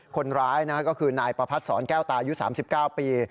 คนร้ายก็คือนายประพัดศรแก้วตายุ๓๙ปี